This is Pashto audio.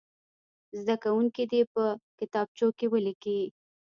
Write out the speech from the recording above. زده کوونکي دې یې په کتابچو کې ولیکي.